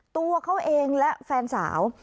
ตัวเขาเองและแฟนสาว